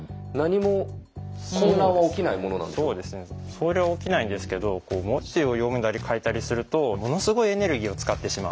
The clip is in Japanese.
それは起きないんですけど文字を読んだり書いたりするとものすごいエネルギーを使ってしまう。